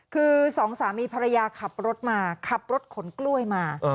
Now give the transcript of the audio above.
คือสองสามีภรรยาขับรถขนกร้วยมา